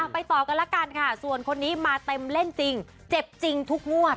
ไปต่อกันละกันค่ะส่วนคนนี้มาเต็มเล่นจริงเจ็บจริงทุกงวด